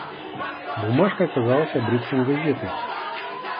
Бумажка оказалась обрывком газеты.